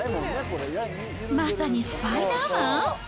まさにスパイダーマン？